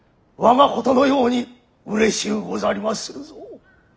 我がことのようにうれしゅうござりまするぞ。